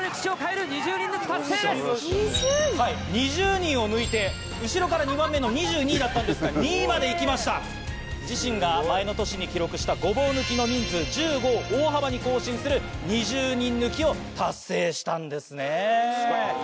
２０人を抜いて後ろから２番目の２２位だったんですけど２位まで行きました自身が前の年に記録したゴボウ抜きの人数１５を大幅に更新する２０人抜きを達成したんですね